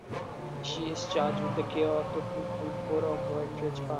She is charged with the care of the fruitful furrow's wheat-rich path.